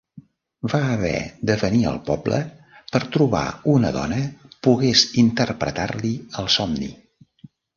Va haver de venir al poble per trobar una dona pogués interpretar-li el somni.